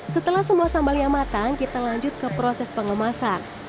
setelah semua sambalnya matang kita lanjut ke proses pengemasan